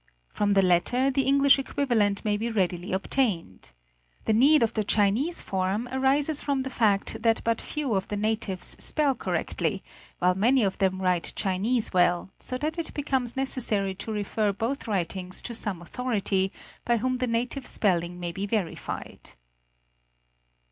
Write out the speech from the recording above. From the latter the English equivalent may be readily obtained. The need of the Chinese form arises from the fact that but few of the natives spell correctly, while many of them write Chinese well; so that it becomes necessary to refer both writings to some authority, by whom the native spelling may be verified.